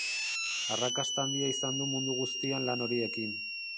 Arrakasta handia izan du mundu guztian lan horiekin.